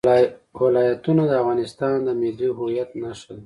ولایتونه د افغانستان د ملي هویت نښه ده.